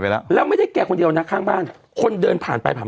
แล้วแล้วไม่ได้แกคนเดียวนะข้างบ้านคนเดินผ่านไปผ่าน